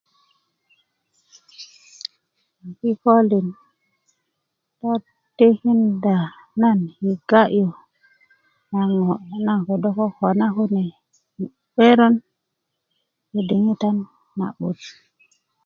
kikolin lo tikinda nan i ga'yö na ŋo' na ŋo' naŋ ködö kokona kune nyu 'beran i diŋitan na 'but